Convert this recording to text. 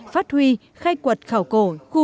phát huy khai quật khảo cổ khu di trị vườn chuối